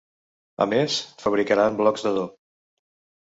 A més, fabricaran blocs d’adob.